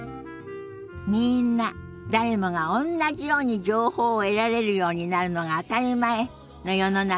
みんな誰もがおんなじように情報を得られるようになるのが当たり前の世の中にならなきゃね。